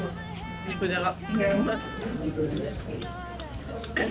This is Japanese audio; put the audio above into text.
肉じゃが。